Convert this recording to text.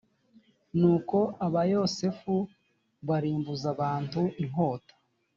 nuko abayosefu barimbuza abantu inkota